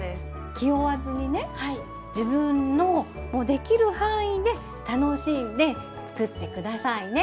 気負わずにね自分のできる範囲で楽しんで作って下さいね。